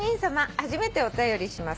初めてお便りします。